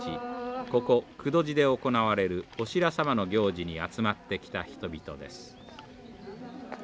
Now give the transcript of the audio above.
ここ久渡寺で行われるオシラ様の行事に集まってきた人々です。